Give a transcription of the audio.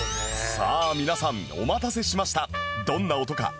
さあ皆さんお待たせしました